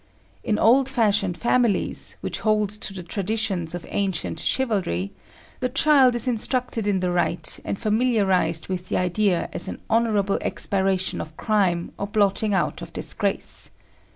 In old fashioned families, which hold to the traditions of ancient chivalry, the child is instructed in the rite and familiarized with the idea as an honourable expiation of crime or blotting out of disgrace.